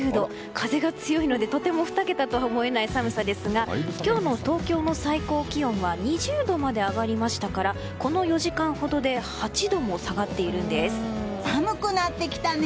風が強いのでとても２桁とは思えない寒さですが今日も東京の最高気温は２０度まで上がりましたからこの４時間ほどで寒くなってきたね。